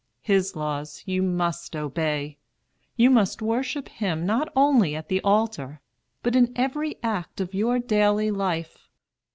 His laws you must obey. You must worship Him not only at the altar, but in every act of your daily life.